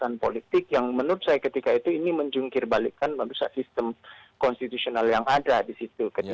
kekuatan politik yang menurut saya ketika itu ini menjungkir balikkan manusia sistem konstitusional yang ada di situ